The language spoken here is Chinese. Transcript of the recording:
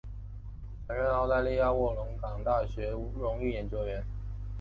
曾任澳大利亚卧龙岗大学荣誉研究员。